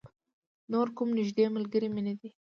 نور کوم نږدې ملگری مې نه دی.